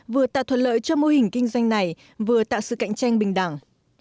vừa tạo thuận lợi cho mô hình kinh doanh này vừa tạo sự cạnh tranh bình đẳng